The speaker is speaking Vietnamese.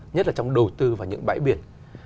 nhất là trong đầu tư và những bãi biển